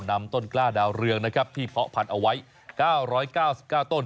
นำต้นกล้าดาวเรืองที่เพาะพันเอาไว้๙๙๙ต้น